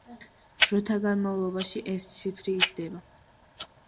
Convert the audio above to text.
დროთა განმავლობაში ეს ციფრი იზრდება.